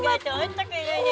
nggak cocok kayaknya